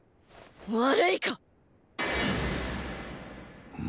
悪いか。